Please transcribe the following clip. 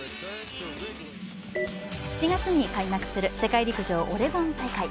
７月に開幕する世界陸上オレゴン大会。